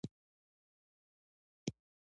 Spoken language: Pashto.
د بلخ پوهنتون په مزار کې دی